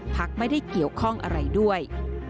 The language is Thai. พักไม่ได้เกี่ยวข้องอะไรด้วย